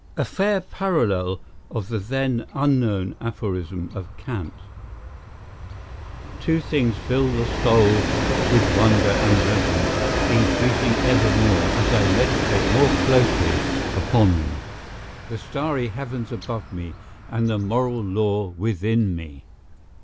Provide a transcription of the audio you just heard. [A fair parallel of the then unknown aphorism of Kant: "Two things fill the soul with wonder and reverence, increasing evermore as I meditate more closely upon them: the starry heavens above me and the moral law within me."